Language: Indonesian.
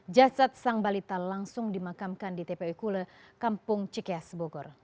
jasad sang balita langsung dimakamkan di tpu kule kampung cikeas bogor